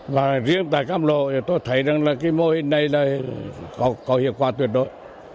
và riêng tại càm lộ thì tôi thấy rằng là cái mô hình này là có hiệu quả tuyệt đối